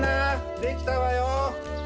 できたわよ。